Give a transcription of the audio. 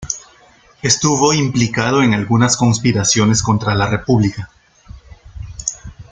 Estuvo implicado en algunas conspiraciones contra la República.